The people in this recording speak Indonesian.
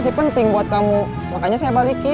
seharusnya ga ada lagi